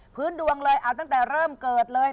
พื้นดวงเลยเอาตั้งแต่เริ่มเกิดเลย